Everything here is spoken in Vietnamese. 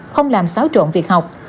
không làm xáo trộn việc học